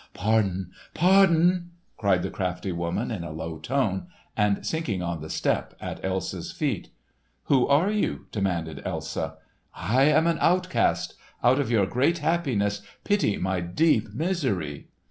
"Pardon—pardon!" cried the crafty woman in a low tone, and sinking on the step at Elsa's feet. "Who are you?" demanded Elsa. "I am an outcast. Out of your great happiness pity my deep misery!"